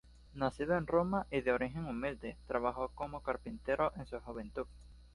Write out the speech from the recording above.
Nacido en Roma, y de origen humilde, trabajó como carpintero en su juventud.